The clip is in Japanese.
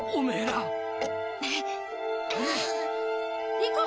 行こう！